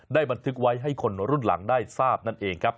บันทึกไว้ให้คนรุ่นหลังได้ทราบนั่นเองครับ